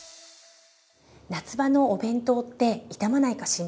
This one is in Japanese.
夏場のお弁当って傷まないか心配じゃないですか？